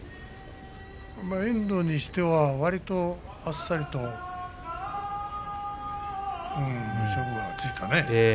遠藤にしては、わりとあっさりと勝負がついたね。